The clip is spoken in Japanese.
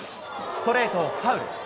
ストレートをファウル。